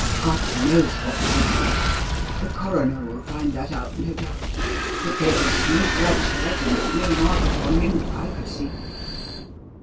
God knows what killed him the coroner will find that out, no doubt but there was no blood shed and no mark upon him that I could see."